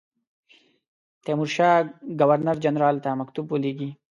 تیمورشاه ګورنر جنرال ته مکتوب ولېږی.